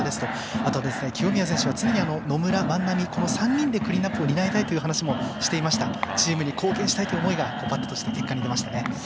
あと、清宮選手は常に野村、万波、この３人でクリーンナップを担いたいという話もしていてチームに貢献したい思いが結果に出ましたね。